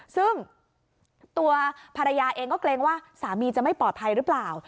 ซึ่งตัวภรรยาเองก็เกรงว่าสามีจะไม่ปลอดภัยหรือเปล่า